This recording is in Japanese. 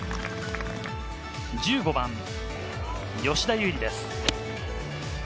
１５番、吉田優利です。